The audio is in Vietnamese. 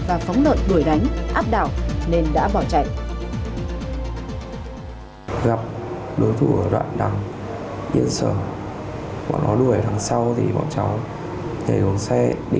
và phóng lợn đuổi đánh áp đảo nên đã bỏ chạy